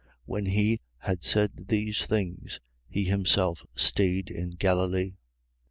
7:9. When he had said these things, he himself stayed in Galilee.